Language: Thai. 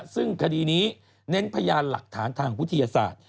ซึ่งคดีนี้เน้นพยานหลักฐานทางวิทยาศาสตร์